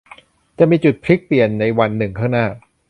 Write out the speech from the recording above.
จะมีจุดพลิกเปลี่ยนในวันหนึ่งข้างหน้า